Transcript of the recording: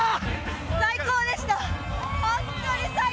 最高でした！